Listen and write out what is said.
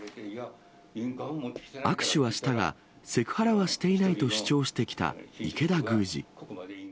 握手はしたが、セクハラはしていないと主張してきた池田宮司。